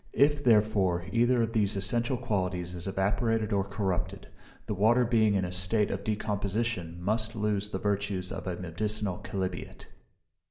If, therefore, either of these essential qualities is evaporated or corrupted, the water, being in a state of decomposition, must lose the virtues of a medicinal chalybeate.